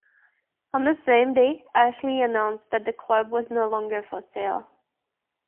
On the same day, Ashley announced that the club was no longer for sale.